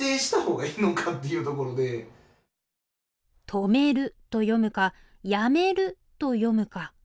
「とめる」と読むか「やめる」と読むか。